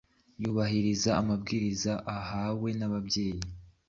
yubahiriza amabwiriza yahawe nababyeyi